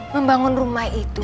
membangun rumah itu